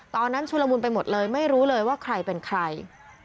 ตอนนั้นชุระมุนไปหมดเลยไม่รู้เลยว่าใครเป็นใคร